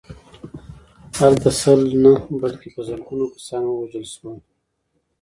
هلته سل نه بلکې په زرګونه کسان ووژل شول